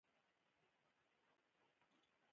بغیر له بدې ورځې بله نتېجه نلري.